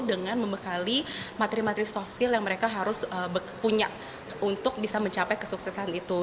dengan membekali materi materi soft skill yang mereka harus punya untuk bisa mencapai kesuksesan itu